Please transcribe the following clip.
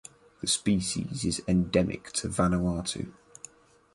The species is endemic to Vanuatu.